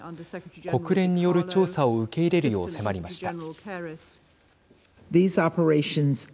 国連による調査を受け入れるよう迫りました。